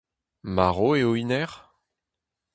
Marv eo hennezh ?